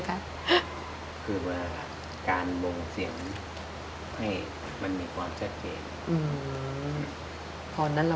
ซ้ายขวา